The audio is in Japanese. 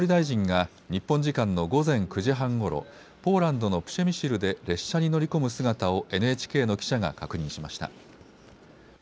また岸田総理大臣が日本時間の午前９時半ごろポーランドのプシェミシルで列車に乗り込む姿をＮＨＫの記者が確認しました。